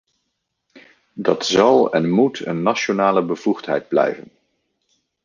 Dat zal en moet een nationale bevoegdheid blijven.